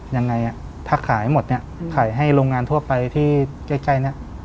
ยังไงอ่ะถ้าขายหมดเนี่ยขายให้โรงงานทั่วไปที่ใกล้เนี่ย